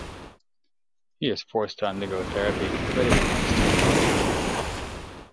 He is forced to undergo therapy whether he wants to or not.